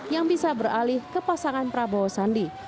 yang bisa beralih ke pasangan prabowo sandi